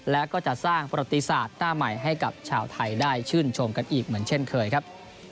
และก็จะสร้างประติศาสตร์หน้าใหม่ให้กับชาวไทยได้ชื่นชมกันอีกเหมือนเช่นเคยครับ